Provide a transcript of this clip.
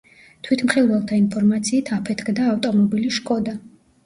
თვითმხილველთა ინფორმაციით აფეთქდა ავტომობილი შკოდა.